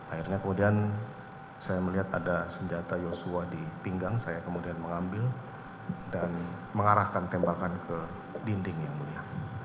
akhirnya kemudian saya melihat ada senjata yosua di pinggang saya kemudian mengambil dan mengarahkan tembakan ke dinding yang mulia